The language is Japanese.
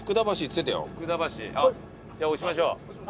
じゃあ押しましょう。